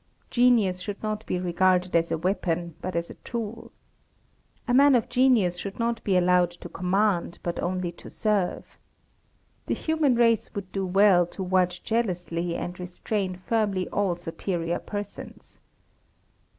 Genius should not be regarded as a weapon, but as a tool. A man of genius should not be allowed to command, but only to serve. The human race would do well to watch jealously and restrain firmly all superior persons.